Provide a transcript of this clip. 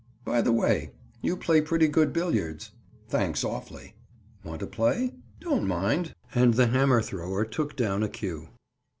"By the way, you play pretty good billiards." "Thanks awfully. Want to play?" "Don't mind." And the hammer thrower took down a cue.